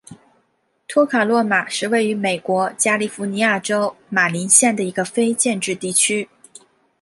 托卡洛马是位于美国加利福尼亚州马林县的一个非建制地区。